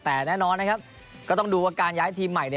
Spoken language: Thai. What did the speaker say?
แต่แน่นอนนะครับก็ต้องดูว่าการย้ายทีมใหม่